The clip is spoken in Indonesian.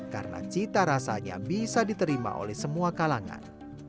karena cita rasanya bisa diterima oleh semua kalangan